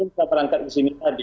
itu bisa terangkat di sini tadi